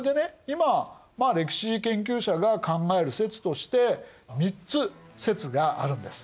今歴史研究者が考える説として３つ説があるんです。